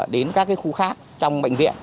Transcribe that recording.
đến các cái khu khác trong bệnh viện